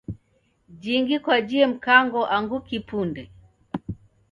Jhingi kwajhie Mkango angu kipunde?